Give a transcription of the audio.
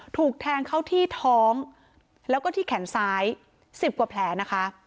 ถูกแทงเข้าที่ท้องแล้วก็ที่แขนซ้าย๑๐กว่าแผลนะคะ